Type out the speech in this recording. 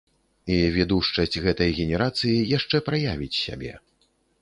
І відушчасць гэтай генерацыі яшчэ праявіць сябе.